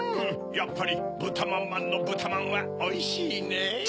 やっぱりぶたまんまんのぶたまんはおいしいねぇ。